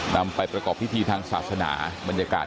นำไปประกอบพิธีทางศาสนาบรรยากาศ